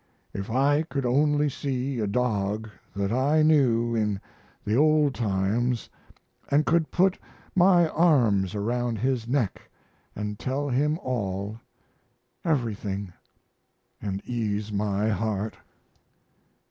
If I could only see a dog that I knew in the old times & could put my arms around his neck and tell him all, everything, & ease my heart!